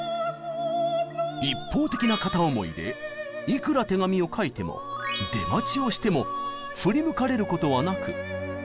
一方的な片思いでいくら手紙を書いても出待ちをしても振り向かれることはなく。